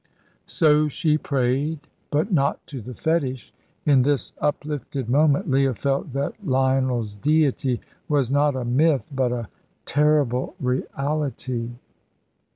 So she prayed, but not to the fetish. In this uplifted moment Leah felt that Lionel's Deity was not a myth, but a terrible reality.